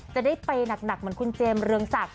จะได้เปย์หนักเหมือนคุณเจมสเรืองศักดิ